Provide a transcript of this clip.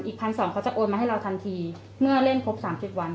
อีกพันสองเขาจะโอนมาให้เราทันทีเมื่อเล่นครบสามสิบวันค่ะ